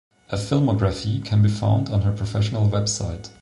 A filmography can be found on her professional website.